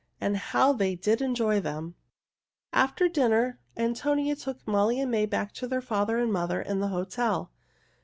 And how they did enjoy them! After dinner Antonio took Molly and May back to their father and mother in the hotel.